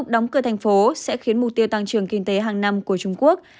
đóng cửa thành phố sẽ khiến mục tiêu tăng trưởng kinh tế hàng năm của trung quốc